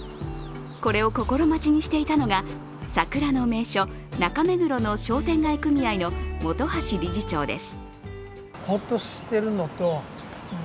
これを心待ちにしていたのが桜の名所、中目黒の商店街組合の本橋理事長です。